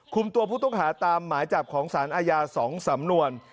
ตัวผู้ต้องหาตามหมายจับของสารอาญา๒สำนวน